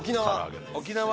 沖縄。